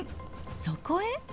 そこへ。